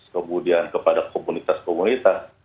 kemudian kepada komunitas komunitas